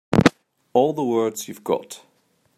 All the words you've got.